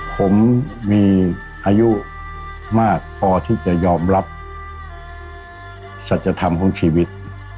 ผมมีอายุมากพอที่จะยอมรับสัจธรรมของชีวิต